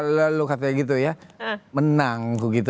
lalu katanya gitu ya menang